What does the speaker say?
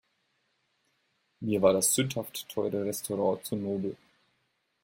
Mir war das sündhaft teure Restaurant zu nobel.